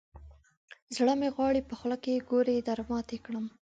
زړه مې غواړي، په خوله کې ګوړې درماتې کړم.